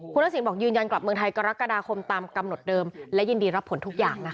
คุณทักษิณบอกยืนยันกลับเมืองไทยกรกฎาคมตามกำหนดเดิมและยินดีรับผลทุกอย่างนะคะ